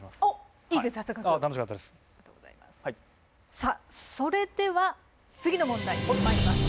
さあそれでは次の問題まいります。